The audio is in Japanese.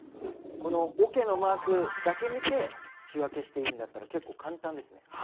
このおけのマークだけ見て仕分けしていいんだったら結構簡単ですね。